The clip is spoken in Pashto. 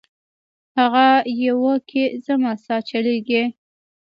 هغه یوه کي زما سا چلیږي